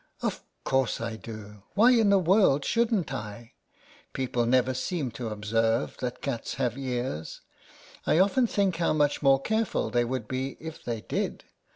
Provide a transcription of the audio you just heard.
Of course I do ! Why in the world shouldn't I ! People never seem to observe that cats have ears. I often think how much more careful they would be if they did.